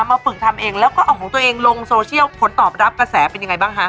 มาฝึกทำเองแล้วก็เอาของตัวเองลงโซเชียลผลตอบรับกระแสเป็นยังไงบ้างฮะ